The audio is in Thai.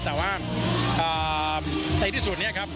แต่ว่าในที่สุดเนี่ยครับ